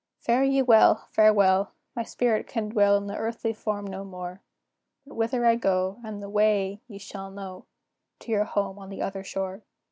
Fare ye well! farewell! My spirit can dwell In the earthly form no more; But whither I go, and the way, ye shall know, To your home on the other shore.